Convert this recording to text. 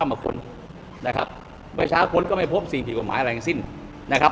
เข้ามาค้นนะครับประชาคนก็ไม่พบสิ่งผิดกว่าหมายอะไรอย่างสิ้นนะครับ